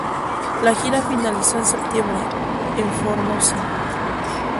La gira finalizó en septiembre, en Formosa.